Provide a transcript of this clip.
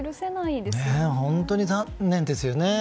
本当に残念ですよね。